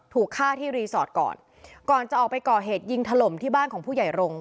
ถูกฆ่าที่รีสอร์ทก่อนก่อนจะออกไปก่อเหตุยิงถล่มที่บ้านของผู้ใหญ่รงค